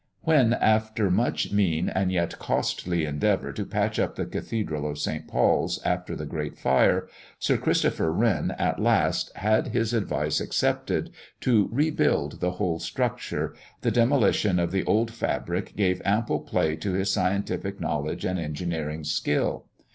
When, after much mean and yet costly endeavour to patch up the cathedral of St. Paul's, after the great fire, Sir Christopher Wren at last had his advice accepted, to rebuild the whole structure, the demolition of the old fabric gave ample play to his scientific knowledge and engineering skill.